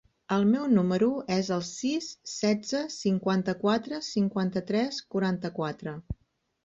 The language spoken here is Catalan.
El meu número es el sis, setze, cinquanta-quatre, cinquanta-tres, quaranta-quatre.